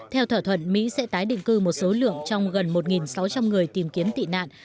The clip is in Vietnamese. theo thỏa thuận mỹ sẽ tái định cư một số lượng trong gần một sáu trăm linh người tìm kiếm tị nạn